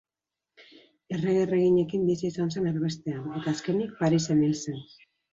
Errege-erreginekin bizi izan zen erbestean, eta azkenik Parisen hil zen.